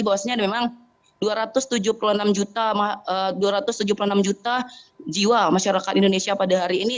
bahwasannya memang dua ratus tujuh puluh enam juta jiwa masyarakat indonesia pada hari ini